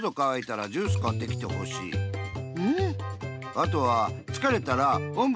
あとはつかれたらおんぶしてほしい。